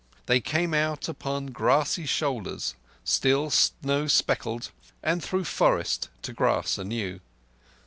They came out upon grassy shoulders still snow speckled, and through forest, to grass anew.